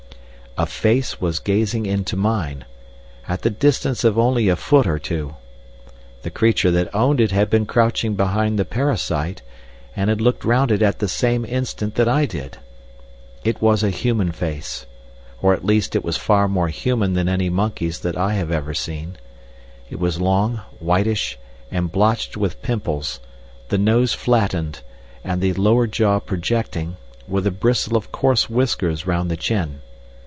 A face was gazing into mine at the distance of only a foot or two. The creature that owned it had been crouching behind the parasite, and had looked round it at the same instant that I did. It was a human face or at least it was far more human than any monkey's that I have ever seen. It was long, whitish, and blotched with pimples, the nose flattened, and the lower jaw projecting, with a bristle of coarse whiskers round the chin.